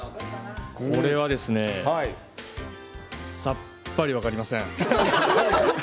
これはですねさっぱり分かりません。